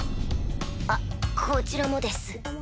あっこちらもです。